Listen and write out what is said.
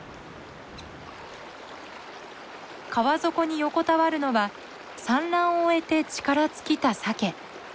川底に横たわるのは産卵を終えて力尽きたサケ。